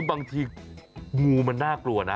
บางทีงูมันน่ากลัวนะ